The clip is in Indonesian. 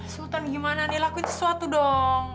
sultan gimana nih lakuin sesuatu dong